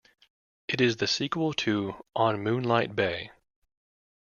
It is the sequel to "On Moonlight Bay".